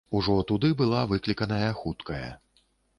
Ужо туды была выкліканая хуткая.